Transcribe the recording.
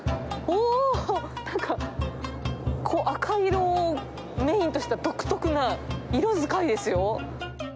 おー、なんか、赤色をメインとした独特な色使いですよ。